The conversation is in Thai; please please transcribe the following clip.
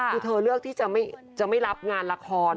คือเธอเลือกที่จะไม่รับงานละคร